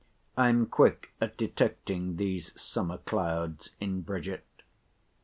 I am quick at detecting these summer clouds in Bridget.